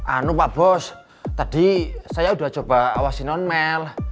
anu pak bos tadi saya udah coba awasiin on mel